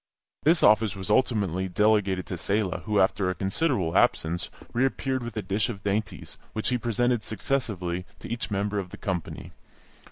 This office was ultimately delegated to Selah, who, after a considerable absence, reappeared with a dish of dainties, which he presented successively to each member of the company.